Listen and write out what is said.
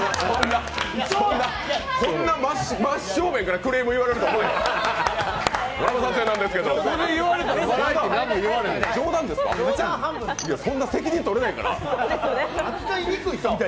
こんな真っ正面からクレーム言われるとは思わへんかった。